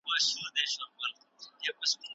د بل چا عینکې مه کاروئ.